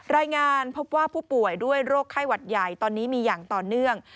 รายงานพบว่าผู้ป่วยด้วยโรคไข้หวัดใหญ่ตอนนี้มีอย่างต่อเนื่อง